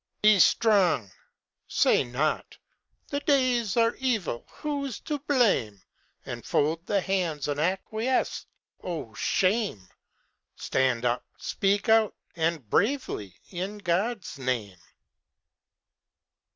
Be strong! Say not, "The days are evil. Who's to blame?" And fold the hands and acquiesce oh shame! Stand up, speak out, and bravely, in God's name.